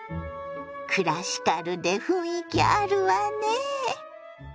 クラシカルで雰囲気あるわね。